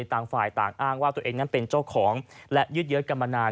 ต่างฝ่ายต่างอ้างว่าตัวเองนั้นเป็นเจ้าของและยืดเยอะกันมานาน